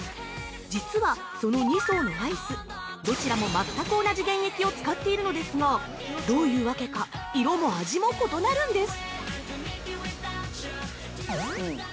実はその２層のアイス、どちらもまったく同じ原液を使っているのですがどういうわけか、色も味も異なるんです！